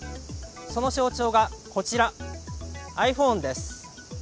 その象徴がこちら、ｉＰｈｏｎｅです。